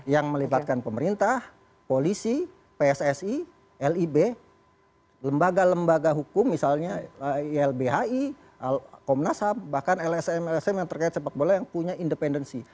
yang melibatkan pemerintah polisi pssi lib lembaga lembaga hukum misalnya ilbhi komnas ham bahkan lsm lsm yang terkait sepak bola yang punya independensi